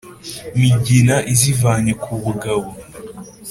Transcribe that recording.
migina izivanye ku bugabo.